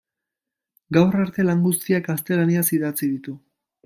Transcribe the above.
Gaur arte, lan guztiak gaztelaniaz idatzi ditu.